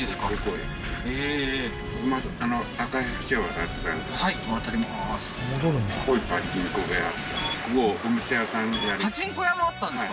へえーパチンコ屋もあったんですか？